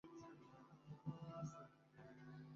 সাজ্জাদ কি গাছে?